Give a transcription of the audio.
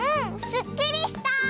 すっきりした！